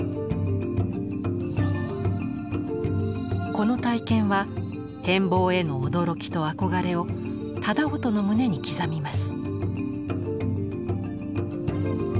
この体験は変貌への驚きと憧れを楠音の胸に刻みます。